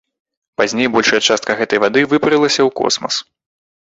Пазней большая частка гэтай вады выпарылася ў космас.